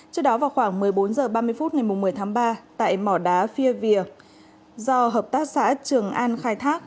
trước đó vào khoảng một mươi bốn h ba mươi phút ngày một mươi tháng ba tại mỏ đá phia vỉa do hợp tác xã trường an khai thác